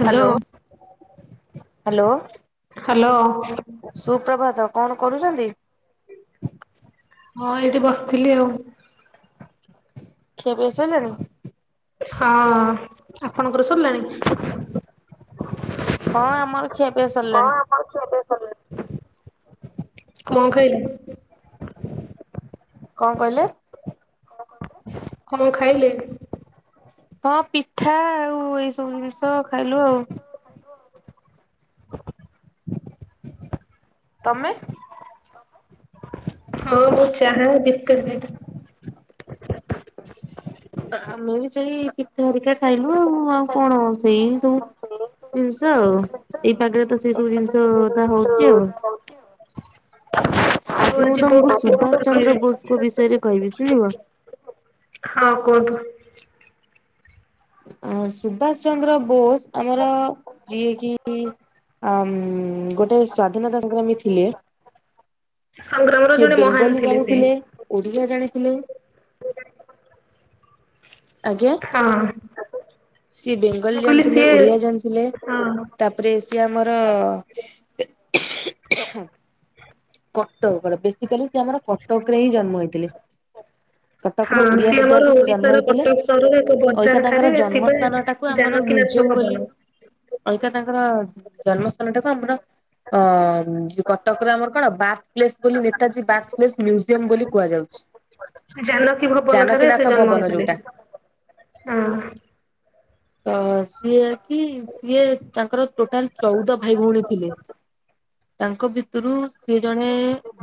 Hello hello. Hello hello. ସୁପ୍ରଭାତ କଣ କରୁଚ଼ନ୍ତି? ହଁ ଏଇଠି ବସିଥିଲି ଆଉ। ଖିଆପିଆ ସଇଲାଣି? ହଁ ଆପଣଙ୍କର ସରିଲାଣି? ହଁ ଆମର ଖିଆ ପିଆ ସରିଲା ହଁ ଆମର ଖିଆ ପିଆ ସରିଲାଣି କଣ ଖାଇଲେ? କଣ କହିଲେ? କଣ ଖାଇଲେ? ହଁ ପିଠା ଆଉ ଏଇ ସବୁ ଜିନିଷ ଖାଇଲୁ ଆଉ। ତମେ? ହଁ ମୁଁ ଚାହା ବିସ୍କୁିଟ ଖାଇଥିଲି। ଆମେ ବି ସେଇ ପିଠା ହରିକା ଖାଇଲୁ ଆଉ ଆଉ କଣ ସେଇ ସବୁ ଜିନିଷ ଆଉ ଏଇ ପାଖରେ ତ ସେଇ ସବୁ ଜିନିଷ ତା ହଉଛି ଆଉ। ହୋଉଛି। ଆଜି ମୁଁ ତମକୁ ସୁଭାଷ ଉପରେ ଚନ୍ଦ୍ର କହିବେ? ବୋଷଙ୍କ ବିଷୟରେ କହିବି ଶୁଣିବ? ହଁ କୁହନ୍ତୁ। ଅ ସୁଭଷ ଚନ୍ଦ୍ର ବୋଷ ଆମର ଯିଏକି। ଆ ଗୋଟେ ସ୍ଵାଧୀନତା ସଂଗ୍ରାମୀ। ଥିଲେ ସଂଗ୍ରାମର ସିଏ ଜଣେ ମହାନ ବେଙ୍ଗଲୀ ଥିଲେ ସେ। ଜାଣିଥିଲେ, ଓଡିଆ ଜାଣିଥିଲେ। ଆଜ୍ଞା। ହ୍ୟାଲୋ। ସିଏ ବେଙ୍ଗଲୀ ଜାଣିଥିଲେ, ସିଏ ଓଡିଆ ଜାଣିଥିଲେ। ହଁ ତାପରେ ସିଏ ଆମର କଟକର ବେସିକାଲି ସିଏ ଆମର କଟକରେ ହି ଜନ୍ମ ହେଇଥିଲେ। ହଁ କଟକର ଓଡିଆ ସିଏ ଆମର ବଜାରରେ ସେ ଜନ୍ମ ଓଡିଶାର ହେଇଥିଲେ କଟକ ସହରର ଏକ ଅଇକା ବଜାର ଠାରେ ତାଙ୍କର ଜନ୍ମ ଥିବା ସ୍ ସ୍ତାନଟାକୁ ଆମର ଜାନକୀନାଥ ମିଉଜିଅମ୍ ବୋଲି ଭବନ ଅଇକା ତାଙ୍କର ଜନ୍ମସ୍ତାନଟାକୁ ଆମର ଅ ଉଁ କଟକରେ ଆମର କଣ ବାର୍ଥ ପ୍ଲେସ୍ ବୋଲି ନେତାଜୀ ବାଥ୍ ପ୍ଲେସ୍ ମ୍ୟୁଜିୟମ ବୋଲି କୁହାଯାଉଛି। ଜାନକୀ ଭବନ ଠାରେ ଜାନକୀନାଥ ସେ ଜନ୍ମ ଭବନ ହେଇଥିଲେ। ଯୋଉଟା ହଁ ତ ସିଏ କି ସିଏ ତାଙ୍କର ଟୋଟାଲ ଚଉଦ ଭାଇ ଭଉଣୀ ଥିଲେ। ତାଙ୍କ ଭିତରୁ ସିଏ ଜଣେ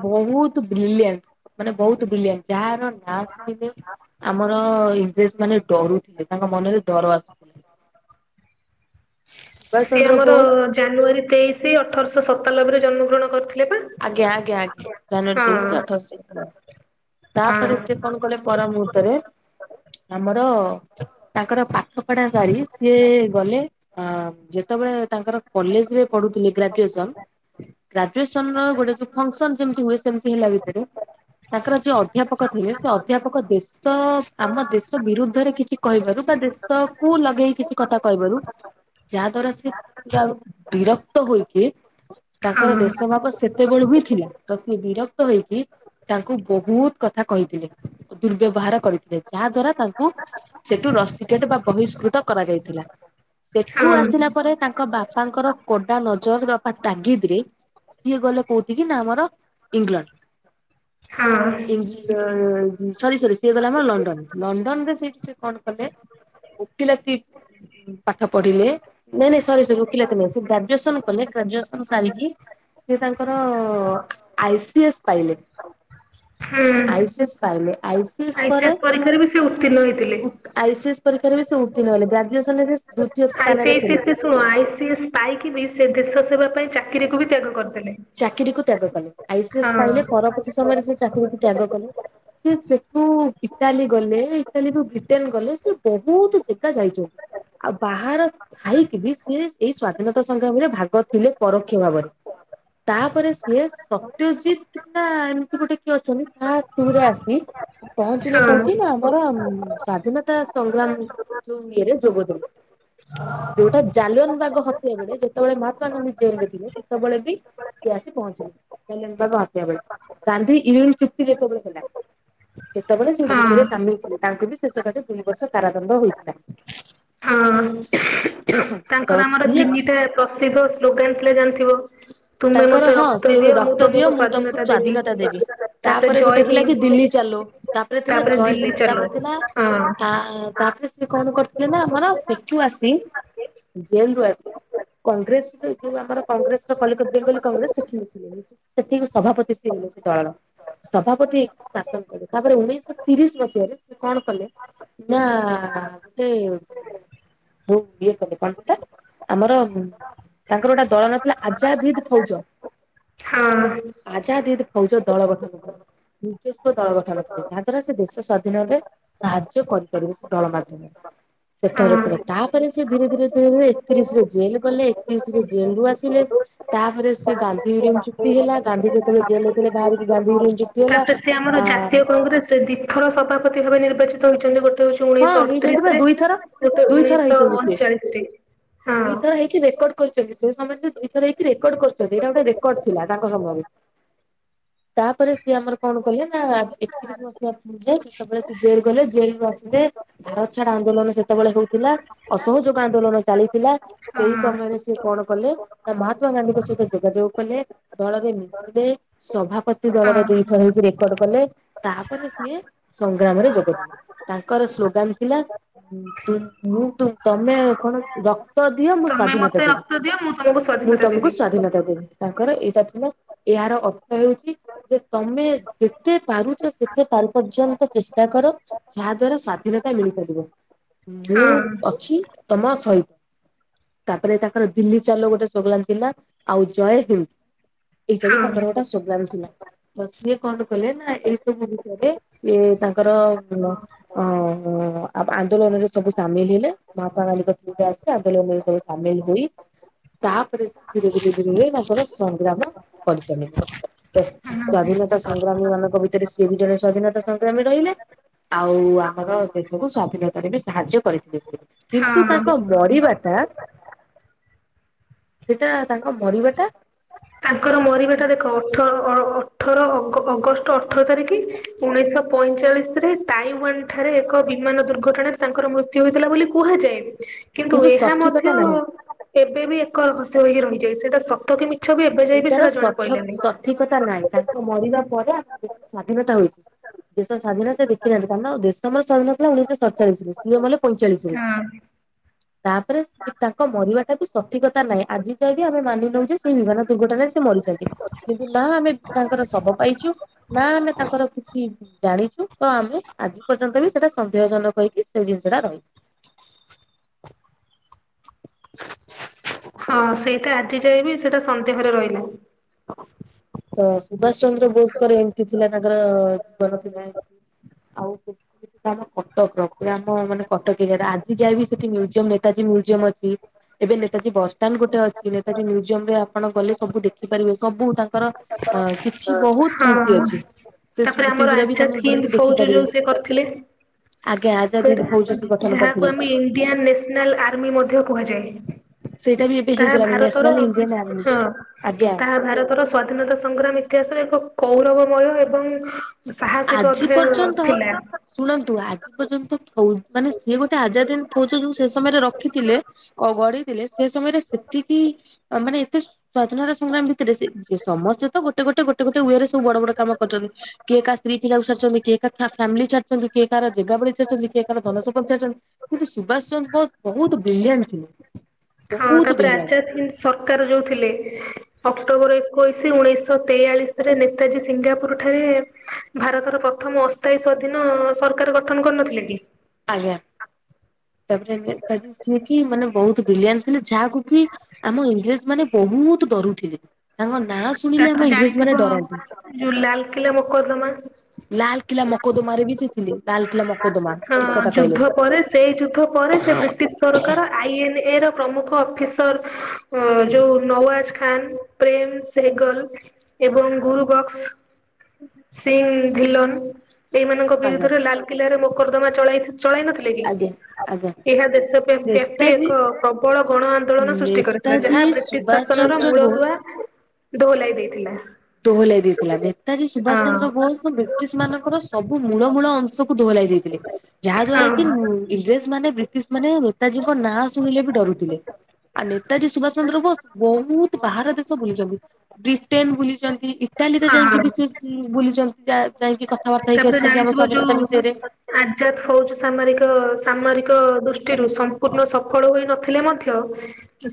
ବହୁତୁ ବ୍ରିଲିଆଣ୍ଟ୍ ମାନେ ବହୁତ୍ ବିଲିଆଣ୍ଟ୍ ଯାହାର ନା ଶୁଣିଲେ ଆମର ଇଂରେଜ୍ ମାନେ ଡରୁଥିଲେ ତାଙ୍କ ମନରେ ଡର ଆସୁ ସୁଭାଷ ସିଏ ଚନ୍ଦ୍ର ଆମର ବୋଷ ଜାନୁଆରୀ ତେଇଶି ଅଠରଶଅ ସତାଲବେରେ ଜନ୍ମଗ୍ରହଣ କରଥି ଆଜ୍ଞା ଆଜ୍ଞା ଆଜ୍ଞା ଜାନୁଆରୀ ହଁ ତେଇଶି ଅଠରଶଅ ଶତାଲବେ। ହଁ ତାପରେ ସେ କଣ କଲେ ପର ମୁହୂର୍ତ୍ତରେ ଆମର ତାଙ୍କର ପାଠ ପଢା ସାରି ସିଏ ଗଲେ। ଅମ୍ ଯେତେବେଳେ ତାଙ୍କର କଲେଜରେ ପଢୁଥିଲେ ଗ୍ରାଜୁଏସନ୍। ଗ୍ରାଜୁଏସନ ର ଗୋଟେ ଯୋଉ ଫଙ୍କସ୍‌ନ ଯେମିତି ହୁଏ ସେମିତି ହେଲା ଭିତରେ। ତାଙ୍କର ଯୋଉ ଅଧ୍ୟାପକ ଥିଲେ ସେ ଅଧ୍ୟାପକ ଦେଶ ଆମ ଦେଶ ବିରୁଦ୍ଧରେ କିଛି କହିବାରୁ ବା ଦେଶ କୁ ଲଗେଇ କିଛି କଥା କହିବାରୁ ଯାହା ଦ୍ଵାରା ସେ ପୁରା ବିରକ୍ତ ହୋଇକି ତାଙ୍କର ହଁ ଦେଶ ଭାବ ସେତେବେଳୁ ବି ଥିଲା ତ ସିଏ ବିରକ୍ତ ହଇକି ତାଙ୍କୁ ବହୁତ୍ କଥା କହିଥିଲେ ର୍ଦୁବ୍ୟବହାର କରିଥିଲେ ଯାହା ଦ୍ୱାରା ତାଙ୍କ କୁ ସେଠୁ ରସିିକେଟ ବା ବହିଷ୍କୃତ କରାଯାଇଥିଲା ସେଠୁ ଆସିଲା ପରେ ତାଙ୍କ ବାପାଙ୍କର କଡା ନଜର ବାପା ତାଗିଦ୍ ରେ ସିଏ ଗଲେ କୋଉଠି କିନା ଆମର ଇଂଲଣ୍ଡ। ହଁ ହଁ। [unintelligible] ସରି ସରି ସିଏ ଗଲେ ଆମ ଲଣ୍ଡନ ଲଣ୍ଡନ ରେ ସେଠି ସେ କଣ କଲେ? ଓକିଲାତି। ପାଠ ପଢିଲେ ନାଇଁ ନାଇଁ ସରି ସରି ଓକିଲାତି ନୁହଁ ସେ ଗ୍ରାଜୁଏସନ କଲେ ଗ୍ରାଜୁଏସନ ସାରିକି ସେ ତାଙ୍କର ଆଇ ସି ଏସ୍ ପାଇଲେ। ଆଇସିଏସ୍ ପାଇଲେ ଆଇସ୍। ଆଇସି ଏସ୍ ପରୀକ୍ଷାରେ ବି ସେ ଉତ୍ତୀର୍ଣ୍ଣ ହେଇଥିଲେ। ଆଇସିଏସ୍ ପରୀକ୍ଷାରେ ବି ସେ ଉତ୍ତୀର୍ଣ ହେଲେ ଗ୍ରାଜୁଏସନରେ ଦ୍ଵିତୀୟ ଆଇସି ସ୍ଥାନରେ ଥିଲେ ଏସେସ୍ ଶୁଣ ଆଇଏସ୍ ପାଇକି ବି ସେ ଦେଶ ସେବା ପାଇଁ ଚାକିରିକୁ ବି ତ୍ୟାଗ କରିଦେଲେ। ଚାକିରିକୁ ତ୍ୟାଗ କଲେ ଆଇସିଏସ୍ ହଁ ପାଇଲେ ପରବର୍ତ୍ତୀ ସମୟରେ ସେ ଚାକିରୀକୁ ତ୍ୟାଗ କଲେ। ସେ ସେଠୁ ଇଟାଲୀ ଗଲେ ଇଟାଲୀରୁୁ ବ୍ରିଟେନ ଗଲେ ସେ ବହୁତୁ ଜେଗା ଯାଇଚ଼ନ୍ତି। ଆଉ ବାହାରେ ଥାଇକି ବି ସିଏ ଏଇ ସ୍ଵାଧୀନତା ସଂଗ୍ରାମୀରେ ଭାଗ ଥିଲେ ପରୋକ୍ଷ ଭାବରେ। ତାପରେ ସିଏ ସତ୍ୟଜିତ୍ ନା ଏମିତି ଗୋଟେ କିଏ ଅଛନ୍ତି ତାହା ଥ୍ରୁରେ ଆସି ପହଞ୍ଚିଲେ ହଁ କୋଉଠି ନା ଆମର ସ୍ୱାଧୀନତା ସଂଗ୍ରାମ ଜୁନ୍ ଇ ଏ ରେ ଯୋଗ ଦେଲେ। ଯୋଉଟା ଜାଲୱନ୍ ବାଗ ହତ୍ୟା ବେଳେ ଯେତେବେଳେ ମହାତ୍ମା ଗାନ୍ଧୀ ଜେଲରେ ଥିଲେ ସେତେବେଳେ ବି। ସେ ଆସି ପହଞ୍ଚଲେ ଜାଲୱନ୍ ବାଗ ହତ୍ୟା ବେଳେ ଗାନ୍ଧି ଇଊଳ ଚୁକ୍ତି ଯେତେବେଳେ ହେଲା। ସେତେବେଳେ ସେ ହଁ ଯୁଦ୍ଧରେ ସାମିଲ ଥିଲେ ତାଙ୍କୁ ବି ସେ ସକାଶେ ଦୁଇ ବର୍ଷ କାରାଦଣ୍ଡ ହୋଇଥିଲା। ହଁ। ତ ତାଙ୍କର ଆମର ସିଏ ତିନିଟା ପ୍ରସିଦ୍ଧ ସ୍ଲୋଗାନ ଥିଲେ ଜାଣିଥିବ। ତୁମେ ତାଙ୍କର ମତେ ହଁ ରକ୍ତ ସିଏ ଗୋଟେ ଦିଅ ମୁଁ ରକ୍ତ ଦିଅ ତମକୁ ମୁଁ ତମକୁ ସ୍ଵାଧୀନତା ଦେବି ତାପରେ ଜୟ ଗୋଟେ ଥିଲା କି ଦିଲ୍ଲୀ ହିନ୍ଦ। ଚାଲୋ। ତାପରେ ଥିଲା ଜୟ ଦିଲ୍ଲୀ ହିନ୍ଦ୍ ଚାଲୁ ହଁ ତାପରେ ଥିଲା ତାଆ ତାପରେ। ସେ କଣ କରିଥିଲେ ନା ଆମର ସେଠୁ ଆସି। ଜେଲ ରୁ ଆସି କଂଗ୍ରେସ ଯୋଉ ଆମର କଂଗ୍ରେସର କଲିକତ। ବେଙ୍ଗଲୀ କଂଗ୍ରେସ ସେଠି ମିଶିଲେ ମିଶ ସେଠି ସଭାପତି ସି ଥିଲେ ସେ ଦଳର। ସଭାପତି ଶାସନ କଲେ ତାପରେ ଉଣେଇଶ ତିରିଶ ମସିହାରେ ସେ କଣ କଲେ। ନା ଗଟେ। ହ ଇଏ କଲେ କଣଟା ଆମର ତାଙ୍କର ଗୋଟେ ଦଳ ନା ଥିଲା ଆଜାଦ ହିଦ। ଫୈଜ ହଁ ଆଜାଦ ହିଦ ଫୌଜ ଦଳ ଗଠନ କଲେ। ନିଜସ୍ୱ ଦଳ ଗଠନ କଲେ ତାହା ଦ୍ଵାରା ସେ ଦେଶ ସ୍ଵାଧୀନରେ। ସାହାଯ୍ୟ କରିପାରିବେ ସେ ଦଳ ମାଧ୍ୟମରେ। ସେଥର ହଁ। କର ତାପରେ ସେ ଧୀରେ ଧୀରେ ଧୀରେ ଧୀରେ ଏକତିରିଶରେ ଜେଲ ଗଲେ ଏକତିରିଶ। ଜେଲ ରୁ ଆସିଲେ। ତାପରେ ସେ ଗାନ୍ଧି ୟୁରିୟମ ଚୁକ୍ତି ହେଲା ଗାନ୍ଧି ଯେତେବେଳେ ଜେଲ ଥିଲେ ବାହାରିକି ଗାନ୍ଧି ୟୁରିୟମ ଚୁ ତାପରେ ସେ ଆମର ଜାତୀୟ କଂଗ୍ରେସରେ ଦିଥର ସଭାପତି ଭାବେ ନିର୍ବାଚିତ ହୋଇଛନ୍ତି ଗୋଟ। ଗୋଟେ ହଉଛି ହଁ ଉଣେଇଶହ ହେଇଛନ୍ତି ବା ଅଠତିରିଶ ରେ ଦୁଇଥର ଗୋଟେ ଦୁଇଥର ହେଇଛନ୍ତି ଉଣେଇଶହ ଅଣଚାଳିଶ ରେ ହଁ। କି ରେକର୍ଡ କରିଛନ୍ତି ସେ ସମୟରେ ସେ ଦୁଇଥର ହେଇକି ରେକର୍ଡ କରୁଛନ୍ତି ଏଇଟା ଗୋଟେ ରେକର୍ଡ ଥିଲା ତାଙ୍କ ସମୟରେ। ତାପରେ ସିଏ ଆମର କଣ କଲେ ନା ଏତିରି। ବସିବା ପ ଯେତେବେଳେ ସେ ଜେଲ ଗଲେ ଜେଲ ରୁ ଆ ଲେ ଭାରତ ଛାଡ ଆନ୍ଦୋଳନ ସେତେବେଳେ ହଉଥିଲା ଅସହଯୋଗ ଆନ୍ଦୋଳନ ଚାଲିଥିଲା। ହଁ ସେଇ ସମୟରେ ସିଏ କଣ କଲେ ନା ମହାତ୍ମା ଗାନ୍ଧୀଙ୍କ ସହିତ ଯୋଗାଯୋଗ କଲେ। ଦଳରେ ମିଶିଲେ ସଭାପତି ଦଳରେ ଦୁଇ ହଁ। ଥର ହେଇକି ରେକର୍ଡ କଲେ। ତାପରେ ସିଏ ସଂଗ୍ରାମରେ ଯୋଗଦଲେ। ତାଙ୍କର ସ୍ଲୋଗାନ ଥିଲା ତୁମ ମୁ ତୁମ ତମେ କଣ ରକ୍ତ ଦିଅ ମୁଁ ତମେ ସ୍ଵାଧୀନତା ମତେ ଦେବି ରକ୍ତ ଦିଅ ମୁଁ ତମକୁ ମୁଁ ସ୍ଵାଧୀନତା ତମକୁ ଦେବି ହଁ ସ୍ଵାଧୀନତା ଦେବି। ତାଙ୍କର ଏଇଟା ଥିଲା ଏହାର ଅର୍ଥ ହେଉଛି। ଯେ ତମେ ଯେତେ ପାରୁଛ ସେତେ ପାରୁ ପର୍ଯ୍ୟନ୍ତ ଚେଷ୍ଟା କର। ଯାହା ଦ୍ଵାରା ସ୍ଵାଧୀନତା ମିଳିପାରିବ ହଁ। ମୁଁ ଅଛି ତମ ସହିତ। ତାପରେ ତାଙ୍କର ଦିଲ୍ଲୀ ଚାଲୋ ଗୋଟେ ସ୍ଲୋଗାନ ଥିଲା ଆଉ ଜୟ ହିନ୍ଦ। ଏଇଟ ବି ତାଙ୍କର ଗୋଟେ ସୋଗ୍ରାମ ଥିଲା। ତ ସିଏ କଣ କଲେ ନା ଏଇ ସବୁ ଭିତରେ ସିଏ ତାଙ୍କର ଓ ଆନ୍ଦୋଳନରେ ସବୁ ସାମିଲ ହେଲେ ମହାତ୍ମା ଗାନ୍ଧୀଙ୍କ। ଆନ୍ଦୋଳନରେ ସବୁ ସାମିଲ୍ ହୋଇ ତାପରେ ସେ ଧୀରେ ଧୀରେ ଧୀରେ ତାଙ୍କର ସଂଗ୍ରାମ କରିଚାଲିଲେ ତ ହଁ ସ୍ଵାଧୀନତା ସଂଗ୍ରାମୀ ମାନଙ୍କ ଭିତରେ ସିଏ ବି ଜଣେ ସ୍ଵାଧୀନତା ସଂଗ୍ରାମୀ ରହିଲେ। ଆଉ ଆମର ଦେଶକୁ ସ୍ଵାଧୀନତାରେ ବି ସାହାଯ୍ୟ କରିଥିଲେ ସେ କିନ୍ତୁ ହଁ। ତାଙ୍କ ମରିବାଟା ସେଇଟା ତାଙ୍କ ମରିବାଟା ତାଙ୍କର ମରିବାଟା ଦେଖ ଅଠ ଅ ଅଠର ଅଗ ଅଗଷ୍ଟ ଟା ଅଠର ତାରିଖ ଉଣେଇଶଶହ ପଇଁଚାଳିଶ ରେ। ତାଇୱାନ ଠାରେ ଏକ ବିମାନ ଦୁର୍ଘଟଣାରେ ତାଙ୍କର ମୃତ୍ୟୁ ହୋଇଥିଲା ବୋଲି କୁହାଯାଏ। କିନ୍ତୁ ଏହା ମଧ୍ୟ ସଠିକତା ନାହିଁ ଏବେ ବି ଏକ ରହସ୍ୟମୟ ହୋଇରହିଯାଛି ସେଇଟା ସତକ ମିଛ ବି କୁହାଜାଇ ବି ଏଇଟାର ସେଟା ଜଣା ସଠ ପହିଲାନି। ସଠିକତା ନାହିଁ ତାଙ୍କ ମରିବା ପରେ ଆମର ଦେଶ ସ୍ଵାଧୀନତା ହୋଇଛି। ଦେଶ ସ୍ୱାଧୀନ ସେ ଦେଖିହାନ୍ତି କାରଣ ଦେଶମର ସ୍ୱାୀନ ଥିଲା ଉଣଇଶହ ସତଚାଳିଶରେ ସିଏ ମଲେ ପଇଚାଳିଶିରେ। ହଁ। ତାପରେ ତାଙ୍କ ମରିବାଟା ବି ସଠିକତା ନାହିଁ ଆଜି ଯାଏ ଆମେ ମାନି ନଉ ଯେ ସେଇ ବିମାନ ଦୁର୍ଘଟାରେ ସେ ମରିଛନ୍ତି କିନ୍ତୁ ନା ଆମେ ତାଙ୍କର ଶବ ପାଇଛୁ ନା ଆମେ ତାଙ୍କର କିଛି ଜାଣିଛୁ ତ ଆମେ ଆଜି ପର୍ଯ୍ୟନ୍ତ ବି ସେଟା ସନ୍ଦେହ ଜନକ ହେଇକି ସେ ଜିନିଷଟା ରହି ହଁ ସେଇଟା ଆଜି ଯାଇଏବି ସେଇଟା ସନ୍ଦେହରେ ରହିଲା। ତ ସୁଭାଷ ଚନ୍ଦ୍ର ବୋଷଙ୍କର ଏମିତି ଥିଲା ତାଙ୍କର ଜୀବନ ଥିଲା ଆଉ ଆମ କଟକ ର ପୁରା ଆମ ମାନେ କଟକ ଏରିଆର ଆଜି ଯାଏବିି ସେଠି ମ୍ୟୁଜିୟମ୍ ନେତାଜୀ ମ୍ୟୁଜିୟମ୍ ଅଛି। ଏବେ ନେତାଜୀ ବସଷ୍ଟାଣ୍ଡ ଗୋଟେ ଅଛି ନେତାଜୀ ମ୍ୟୁଜିୟମ ରେ ଆପଣ ଗଲେ ସବୁ ଦେଖିପାରିବେ ସବୁ ତାଙ୍କର ଅ କିଛି ବହୁତ [unintelligible] ସ୍ମୃତି ହୁଁ। ଅଛି। ସେ ତାପରେ ସ୍ମୃତି ଆମର ଗୁରା ବି ତମେ ଆଜାଦ୍ ବୁଲିକି ହିନ୍ଦ୍ ଫୌଜ ଦେଖିପାରିବେ। ଯୋଉ ସେ କରିଥିଲେ? ଆଜ୍ଞା ଆଜାଦି ସେଟା ଫୌଜ ସେ ଗଠନ ଯାହାକୁ କରିଥିଲେ ଆମେ ଇଣ୍ଡିଆନ୍ ନ୍ୟାସନାଲ ଆର୍ମି ମଧ୍ୟ କୁହାଯାଏ। ସେଇଟା ବି ଏବେ ତାହା ହେଇଗଲାଣି ଭାରତର ନ୍ୟାସନାଲ ଇଣ୍ଡିଆନ ଆର୍ମି ହଁ ଆଜ୍ଞା। ତାହା ଭାରତର ସ୍ଵାଧୀନତା ସଂଗ୍ରାମ ଇତିହାସରେ ଏକ କୌରବମୟ ଏବଂ ସାହସିକ ଆଜି ଅଧ୍ୟ୍ୟାୟ ପର୍ଯ୍ୟନ୍ତ ନଥିଲା। ଶୁଣନ୍ତୁ ଆଜି ପର୍ଯ୍ୟନ୍ତ ଫୌ ମାନେ ସିଏ ଗୋଟେ ଆଜାଦ୍ ହିନ୍ଦ୍ ଫୌଜ ଯୋଉ ସେ ସମୟରେ ରଖିଥିଲେ? ଗଢିଇଥିଲେ ସେ ସମୟରେ ସେତିକି ମାନେ ଏତେ ସ୍ଵାଧୀନତା ସଂଗ୍ରାମୀ ଭିତରେ ସେ ସମସ୍ତେ ତ ଗୋଟେ ଗୋଟେ ଗୋଟେ ଗୋଟେ ଓଏ ରେ ସବୁ ବଡ ବଡ କାମ କରିଛନ୍ତି। କିଏ କା ସ୍ତ୍ରୀ ପିଲାକୁ ଛାଡିଛନ୍ତି କିଏ କାହାର ଫାମିଲି ଛାଡିଛନ୍ତି କିଏ କାହାର ଜାଗାବାଡି ଛାଡିଛନ୍ତି କିଏ କାହାର ଧନସମ୍ପତି ଛାଡିଛନ୍ତି। କିନ୍ତୁ ସୁଭାଷ ଚନ୍ଦ୍ର ବୋଷ ବହୁତ ବ୍ରିଲିଆଣ୍ଟ୍ ଥିଲେ। ବହୁତ ବ୍ରିଲିଆଣ୍ଟ ଆଜାଦ୍ ହିନ୍ଦ୍ ସରକାର ଯୋଉଥିଲେ ଅକ୍ଟୋବର ଏକୋଇଶି ଉଣେଇଶହ ତେୟାଳିଶିରେ ନେତାଜୀ ସିଙ୍ଗାପୁର ଠାରେ ଭାରତର ପ୍ରଥମ ଅସ୍ତାଇ ସ୍ୱାଧୀନ ସରକାର ଗଠନ କରିନଥିଲେ କି? ଆଜ୍ଞା ତାପରେ କି ମାନେ ବହୁତ ବ୍ରଲିଆଣ୍ଟ୍ ଥିଲେ ଯାହାକୁ କି? ଆମ ଇଂରେଜମାନେ ବହୁତ ଡରୁଥିଲେ ତାଙ୍କ ନାଁ ଶୁଣିଲେ ଆମ ଇଂରେଜ ମାନେ ଡରନ୍ତି। ଯଉ ଲାଲକିଲା ମକଦ୍ଦମା ଲାଲକିଲା ମକଦ୍ଦମାରେ ବି ସେ [unintelligible] ତାଲକିଲା ହୁଁ ଯୁଦ୍ଧ ପରେ ସେଇ ଯୁଦ୍ଧ ପରେ ସେ ବ୍ରିଟିଶ୍ ସରକାର ଆଇ, ଏନ୍, ଏ, ର ପ୍ରମୁଖ ଅଫିସର ଯୋଉ ନୱାଜ ଖାନ୍ ପ୍ରେମ ସେଗଲ୍ ଏବଂ ଗୁରୁବକ୍ସ୍ ସିଂ ଭିଲନ୍ ଏଇମାନଙ୍କ ଆଜ୍ଞା ବିରୁଦ୍ଧରେ ଲାଲ୍ ଲାଲ୍ କିଲ୍ଲାରେ ମକଦ୍ଦମା ଚ ଚଳାଇ ନଥିଲେ କି ଆଜ୍ଞା ଆଜ୍ଞା ଏହା ଦେଶ ବ୍ୟାପୀ ନେତାଜୀ ଏକ ପ୍ରବଳ ଗଣ ଆନ୍ଦୋଳନ ସୃଷ୍ଟି କରିଥିଲା ନେତାଜୀ ଯାହା ବ୍ରିଟିଶ୍ ସୁଭାଷ ଶାସନର ଚନ୍ଦ୍ର ମୂଳ ବୋଷ ଦୁଆ ଦୋହଲାଇ ଦେଇଥିଲା। ଦୋହଲାଇ ଦେଇଥିଲା ନେତାଜୀ ସୁବାଷଚନ୍ଦ୍ର ହଁ ବୋଷଙ୍କ ର ବ୍ରିଟିଶ୍ ମାନଙ୍କର ସବୁ ମୂଳମୂଳ ଅଂ ସବୁ ଧୋହଲାଇ ଦେଇଥିଲେ ଯାହା ଦ୍ଵାରା କି ମୁ ହଁ ଇଂରେଜ ମାନେ ବ୍ରିଟିଶି ମାନେ ନେତାଜୀଙ୍କ ନାଁ ଶୁଣିଲେ ବି ଡରୁଥିଲେ ଆଉ ନେତାଜୀ ସୁଭାଷ ଚନ୍ଦ୍ର ବୋଷ ବହୁତୁ ବାହାର ଦେଶ ବୁଲିଛନ୍ତି ବ୍ରିଟେନ ବୁଲିଛନ୍ତି ଇଟାଲୀରେ ଯାଇକି ବି ହଁ। ସେ ବୁଲିଛନ୍ତି ଯା ଯାଇକି କଥାବାର୍ତା ହେଇକି ତାପରେ ଆସିଛନ୍ତି ଆମ ଜାଣିଥିବ ଯୋଉ ସ୍ଵାଧୀନତା ବିଷୟରେ। ଆଜାଦ ଫୌଜ ସାମରିକ ସାମରିକ ଦୃଷ୍ଟିରୁ ସମ୍ପୂର୍ଣ୍ଣ ସଫଳ ହୋଇନଥିଲେ ମଧ୍ୟ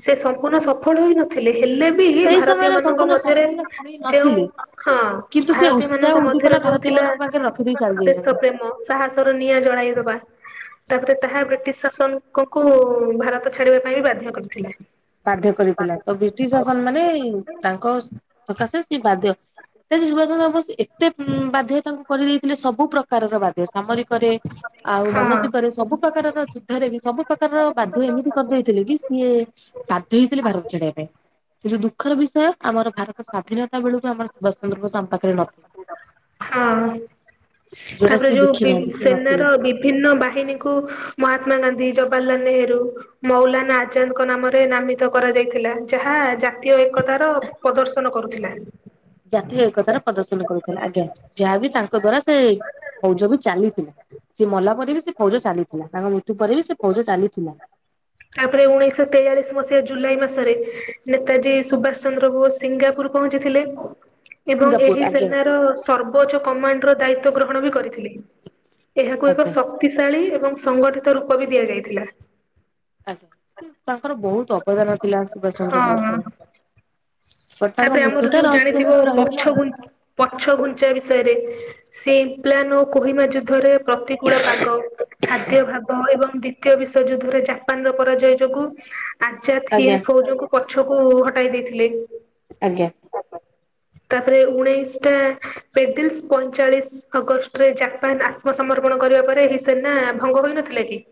ସେ ସମ୍ପୂର୍ଣ୍ଣ ସଫଳ ହୋଇନଥିଲେ ହେଲେ ବି ସେଇ ଭାରତୀୟ ସମୟରେ ମାନଙ୍କ ସମ୍ପୂର୍ଣ୍ଣ ମଧ୍ୟରେ ସଫଳ ନେଇ ଯେଉ ନଥିଲି ହଁ କିନ୍ତୁ ସେ ଭାରତୀୟ ଉତ୍ସାହ ମାନଙ୍କ ମଧ୍ୟରେ ଉଦ୍ଦୀପନା ଯୋଉ ଭାରତୀୟ ଥିଲା ମାନଙ୍କ ପାଖରେ ରଖିଦେଇ ଚାଲି ଦେଶ ଯାଇଛନ୍ତି। ପ୍ରେମ ସାହସର ନିଆଁ ଜଳାଇଦବା ତାପରେ ତାହା ବ୍ରିଟିଶ୍ ଶାସକଙ୍କୁ ଭାରତ ଛାଡିବା ପାଇଁ ବାଧ୍ୟ କରିଥିଲା। ବାଧ୍ୟ କରିଥିଲା ତ ବ୍ରିଟିଶ ଶାସନ ମାନେ ତାଙ୍କ ସକାଶେ ସେ ବାଧ୍ୟ ନେତାଜୀ ସୁବାଷଚନ୍ଦ୍ର ବୋଷ ଏତେ ବାଧ୍ୟ ତାଙ୍କୁ କରିଦେଇଥିଲେ ସବୁ ପ୍ରକାରର ବାଧ୍ୟ ସାମରିକରେ ଆଉ ହଁ ମାନସିକରେ ସବୁ ପ୍ରକାରର ଯୁଦ୍ଧରେ ବି ସବୁ ପ୍ରକାରର ବାଧ୍ଯ ଏମିତି କରିଦେଇଥିଲେ କି [unintelligible] ବାଧ୍ଯ ହେଇଥିଲେ ଭାରତ ଛାଡିବା ପାଇଁ କିନ୍ତୁ ଦୁଃଖର ବିଷୟ ଆମର ଭାରତ ସ୍ଵାଧୀନତା ବେଳକୁ ଆମର ସୁବାଷଚନ୍ଦ୍ର ବୋଷ ଆମ ପାଖରେ ନଥିଲେ। ହଁ ଯୋଉଟା ତାପରେ ସିଏ ଯୋଉ ବି ଦେଖିନାହାନ୍ତି ସିଏ ନଥିଲେ। ସେନାର ବି ଭିନ୍ନ ବାହିନୀକୁ ମହାତ୍ମା ଗାନ୍ଧୀ, ଜବାହାରଲାଲ ନେହେରୁ ମୌଲାନା ଆଜାଦ୍ ଙ୍କ ନାମରେ ନାମିତ କରାଯାଇଥିଲା ଯାହା ଜାତୀୟ ଏକତାର ପ୍ରଦର୍ଶନ କରୁଥିଲା। ଜାତୀୟ ଏକତାର ପ୍ରଦର୍ଶନ କରୁଥିଲା ଆଜ୍ଞା ଯାହାବି ତାଙ୍କ ଦ୍ଵାରା ସେ ଫୈଜ ବି ଚାଲିଥିଲା। ସେ ମଲା ପରେ ବି ସେ ଫୌଜ ଚାଲିଥିଲା ତାଙ୍କ ମୃତ୍ୟୁ ପରେ ବି ସେ ଫୌଜ ଚାଲିଥିଲା। ତାପ ରେ ଉଣେଇଶ ତେୟାଳିଶ ମସିହା ଜୁଲାଇ ମାସରେ ନେତାଜୀ ସୁଭାଷଚନ୍ଦ୍ର ବୋଷ ସିଙ୍ଗାପୁର ପହଞ୍ଚିଥିଲେ। ଏବଂ ସିଙ୍ଗାପୁର ଏହି ଆଜ୍ଞା ସେନାର ସର୍ବୋଚ୍ଚ କମାଣ୍ଡର ଦାୟିତ୍ୱ ଗ୍ରହଣ ବି କରିଥିଲେ। ଏହାକୁ ଏକ ଆଜ୍ଞା ଶକ୍ତିଶାଳୀ ଏବଂ ସଂଗଠିତ ରୂପ ବି ଦିଆଯାଇଥିଲା। ଆଜ୍ଞା ତାଙ୍କର ବହୁତୁ ଅବଦାନ ଥିଲା ସୁବାସ ଚନ୍ଦ୍ର ବୋଷ ହଁ ଙ୍କର। ବଟ ତାଙ୍କ ତାପରେ ଆମର ମୃତ୍ୟୁ ଟା ଯୋଉ ଜାଣିଥିବ ରହସ୍ୟମୟ ରହିଗଲା ପଛ ଆଉ। ଗୁ ପଛ ଘୁଞ୍ଚା ବିଷୟରେ ସେ ପ୍ଲାନ ଓ କୋହିମା ଯୁଦ୍ଧରେ ପ୍ରତିକୂଳ ପାଗ ଖାଦ୍ୟ ଭାଗ ଏବଂ ଦ୍ଵିତୀୟ ବିଶ୍ୱ ଯୁଦ୍ଧରେ ଯା ଇଟାନ ର ପରାଜୟ ଯୋଗୁଁ ଆଜାଦ ଆଜ୍ଞା ହିନ୍ଦ ଫୌଜ ଙ୍କୁ ପଛକୁ ହଟାଇ ଦେଇଥିଲେ। ଆଜ୍ଞା। ତାପରେ ଉଣେଇଶ ଟା ପେଡିଲ୍ସ ପଇଁଚାଳିଶ ଅଗଷ୍ଟରେ ଜାପାନ ଆତ୍ମସମର୍ପଣ କରିବା ପରେ ଏହି ସେନା ଭଙ୍ଗ ହୋଇନଥିଲା କି?